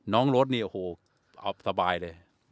น้องโรสนี่โหออกสบายเลย